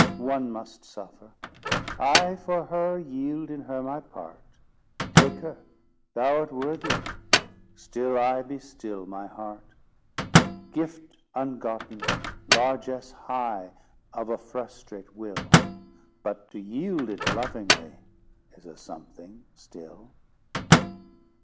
One must suffer: I, for her Yield in her my part Take her, thou art worthier— Still I be still, my heart! Gift ungotten! largess high Of a frustrate will! But to yield it lovingly Is a something still.